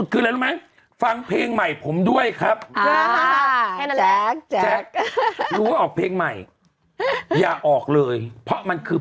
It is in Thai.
เขาร้องเพลงพร้อมน่ะแจ๊กแต่อย่าชวนคุย